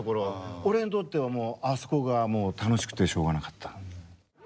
俺んとってはあそこがもう楽しくてしょうがなかった。